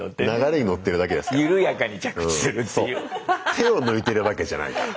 手を抜いてるわけじゃないから。